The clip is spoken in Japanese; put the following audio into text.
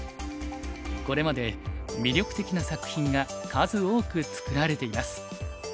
これまで魅力的な作品が数多くつくられています。